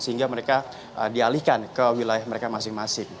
sehingga mereka dialihkan ke wilayah mereka masing masing